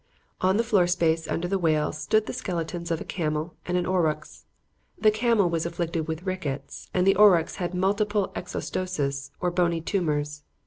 On the floor space under the whale stood the skeletons of a camel and an aurochs. The camel was affected with rickets and the aurochs had multiple exostoses or bony tumors.